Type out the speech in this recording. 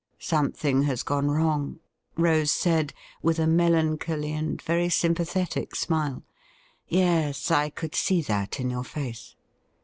' Something has gone wrong,' Rose said, with a melan choly and very sympathetic smile. ' Yes ; I could see that in your face.